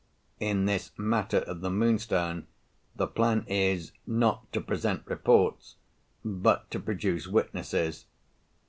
In this matter of the Moonstone the plan is, not to present reports, but to produce witnesses.